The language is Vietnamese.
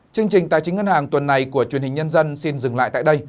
chương trình tài chính ngân hàng tuần này của truyền hình nhân dân xin dừng lại tại đây